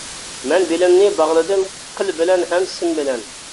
مەن بىلىمنى باغلىدىم، قىل بىلەن ھەم سىم بىلەن.